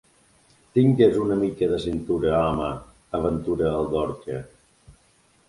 Tingues una mica de cintura, home! —aventura el Dorca.